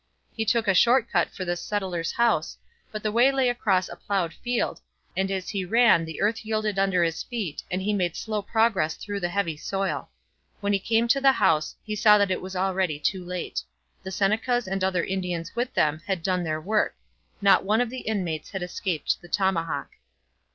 He took a short cut for this settler's house, but the way lay across a ploughed field, and as he ran the earth yielded under his feet and he made slow progress through the heavy soil. When he came to the house, he saw that it was already too late. The Senecas and other Indians with them had done their work. Not one of the inmates had escaped the tomahawk.